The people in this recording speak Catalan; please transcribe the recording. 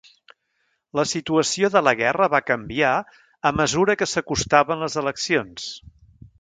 La situació de la guerra va canviar a mesura que s'acostaven les eleccions.